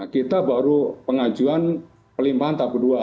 kita baru pengajuan pelimpahan tab dua